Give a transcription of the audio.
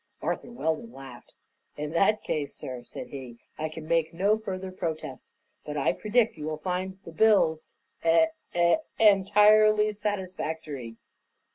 Arthur Weldon laughed. "In that case, sir," said he, "I can make no further protest. But I predict you will find the bills eh eh entirely satisfactory."